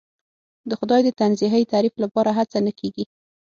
د خدای د تنزیهی تعریف لپاره هڅه نه کېږي.